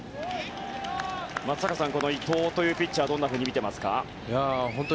松坂さんは伊藤というピッチャーをどう見ていますか？